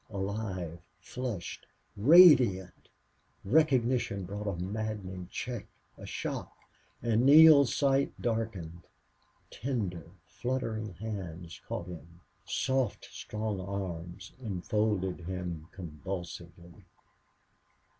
Alive flushed radiant! Recognition brought a maddening check a shock and Neale's sight darkened. Tender, fluttering hands caught him; soft strong arms enfolded him convulsively.